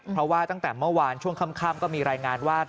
เพราะว่าตั้งแต่เมื่อวานช่วงค่ำก็มีรายงานว่า